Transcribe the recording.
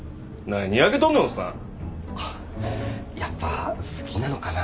やっぱ好きなのかな？